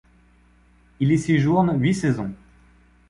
Il y séjourne huit saisons.